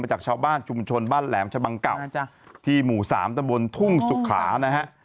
จากชาวบ้านชุมชนบ้านแหลมชะบังเก่าที่หมู่๓ตะบนทุ่งสุขานะฮะ